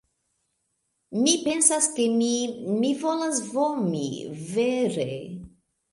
Mi pensas, ke mi... mi volas vomi... vere.